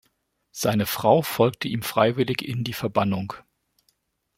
Seine Frau folgte ihm freiwillig in die Verbannung.